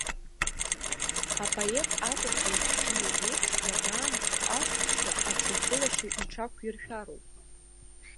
Апоет, акәашаҩ бзиа иеиԥш, ианаамҭоу ақәҵшьа, аҽынкылашьа иҽақәиршәароуп.